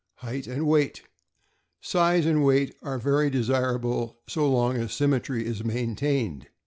Height and weight. — Size and weight are very desirable so long as symmetry is maintained.